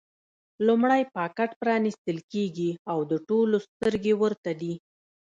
لومړی پاکټ پرانېستل کېږي او د ټولو سترګې ورته دي.